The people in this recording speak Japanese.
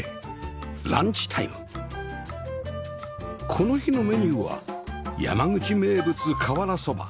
この日のメニューは山口名物瓦そば